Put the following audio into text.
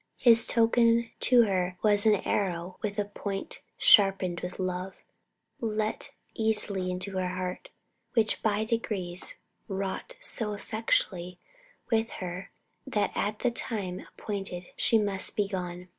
His token to her was an arrow with a point sharpened with love, let easily into her heart, which by degrees wrought so effectually with her that at the time appointed she must be gone.